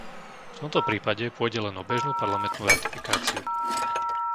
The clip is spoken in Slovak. V tomto prípade pôjde len o bežnú parlamentnú ratifikáciu.